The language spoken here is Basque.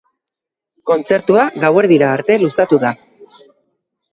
Kontzertua gauerdira arte luzatu da.